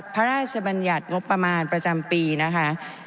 พระราชบัญญัติงบประมาณประจำปีนะคะ